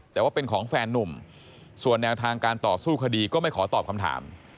แต่ว่าเป็นของแฟนนุ่มส่วนแนวทางการต่อสู้คดีก็ไม่ขอตอบคำถาม